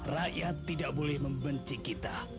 rakyat tidak boleh membenci kita